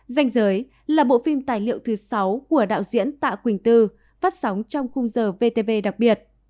danh giới là bộ phim tài liệu thứ sáu của đạo diễn tạ quỳnh tư phát sóng trong khung giờ vtv đặc biệt